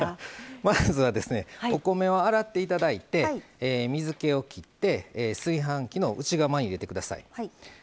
まずはですねお米を洗って頂いて水けをきって炊飯器の内釜に入れて下さい。